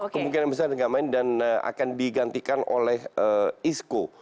kemungkinan besar tidak main dan akan digantikan oleh isco